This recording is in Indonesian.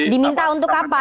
diminta untuk apa